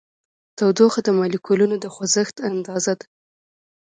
تودوخه د مالیکولونو د خوځښت اندازه ده.